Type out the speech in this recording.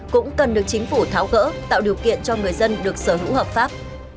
cũng cần được chính phủ tháo gỡ tạo điều kiện cho người dân được sở hữu hợp pháp